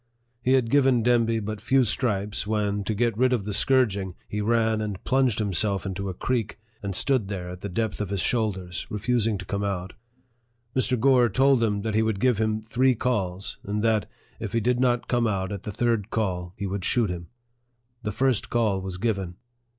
He had given Demby but few stripes, when, to get rid of the scourging, he ran and plunged himself into a creek, and stood there at the depth of his shoulders, refusing to come ouU LIFE OF FREDERICK DOUGLASS. 23 Mr. Gore told him that he would give him three calls, and that, if he did not come out at the third call, he would shoot him. The first call was given.